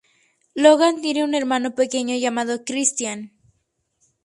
Logan tiene un hermano pequeño llamado Christian.